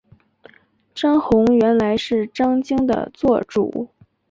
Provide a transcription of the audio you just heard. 张宏原来是张鲸的座主。